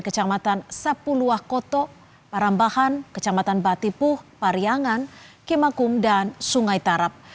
kecamatan sapuluah koto parambahan kecamatan batipuh pariangan kimakum dan sungai tarap